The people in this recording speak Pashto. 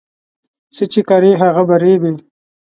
څه چې کرې، هغه به ريبې